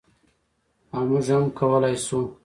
او موږ هم کولی شو.